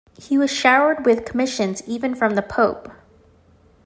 He was showered with commissions, even from the pope.